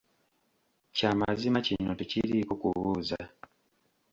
Kya mazima kino tekiriiko kubuuza